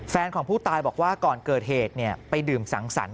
แฟนของผู้ตายบอกว่าก่อนเกิดเหตุไปดื่มสังสรรค